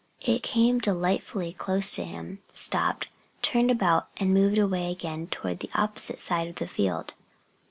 It came delightfully close to him, stopped, turned about, and moved away again toward the opposite side of the field.